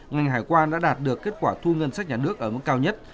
ngành hải quan đã đạt được kết quả thu ngân sách nhà nước ở mức cao nhất